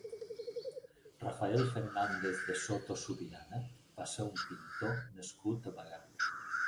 Rafael Fernández de Soto Subirana va ser un pintor nascut a Bagà.